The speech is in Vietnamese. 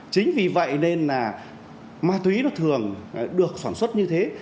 chính vì vậy nên là ma túy nó thường được sản xuất như thế